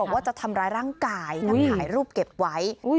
บอกว่าจะทำร้ายร่างกายอุ้ยนำหายรูปเก็บไว้อุ้ย